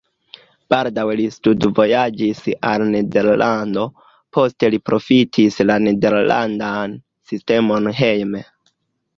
Baldaŭe li studvojaĝis al Nederlando, poste li profitis la nederlandan sistemon hejme.